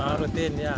pak rudin ya